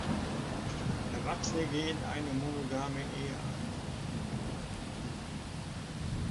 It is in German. Erwachsene gehen eine monogame Ehe ein.